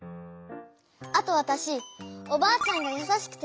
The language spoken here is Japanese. あとわたしおばあちゃんがやさしくて大すき！